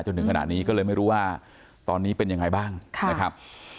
จนถึงขณะนี้ก็เลยไม่รู้ว่าตอนนี้เป็นยังไงบ้างนะครับ